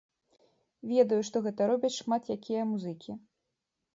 Ведаю, што гэта робяць шмат якія музыкі.